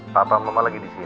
papa mama lagi di sini